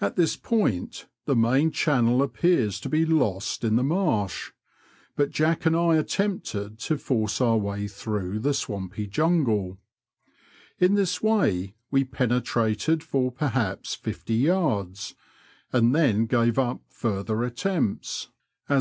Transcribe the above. At this point the main channel appears to be lost in the marsh, but Jack and I attempted to force our way through the swampy jungle. In this way we penetrated for perhaps fifty yards, and then gave up further attempts, as our Digitized by VjOOQIC BETWEEN TEE SALUOUSE BROADS.